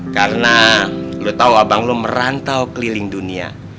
karena lo tau abang lo merantau keliling dunia